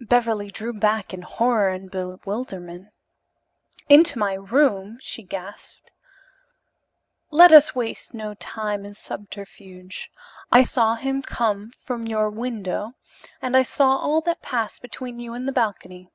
Beverly drew back in horror and bewilderment. "Into my room?" she gasped. "Let us waste no time in subterfuge. I saw him come from your window, and I saw all that passed between you in the balcony.